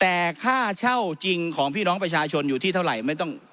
แต่ค่าเช่าจริงของพี่น้องประชาชนอยู่ที่เท่าไหร่ไม่ต้อง